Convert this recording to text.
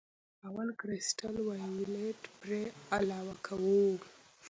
اول کرسټل وایولېټ پرې علاوه کوو.